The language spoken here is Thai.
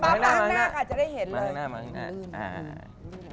มาข้างหน้าค่ะจะได้เห็นเลย